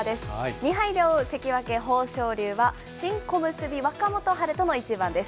２敗で追う関脇・豊昇龍は、新小結・若元春との一番です。